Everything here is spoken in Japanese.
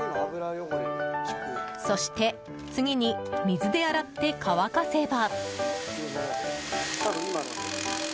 そして次に、水で洗って乾かせば。